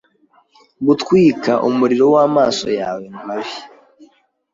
Gutwika umuriro wamaso yawe mabi